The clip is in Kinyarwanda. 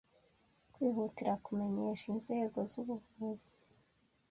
kwihutira kumenyesha inzego z’ubuvuzi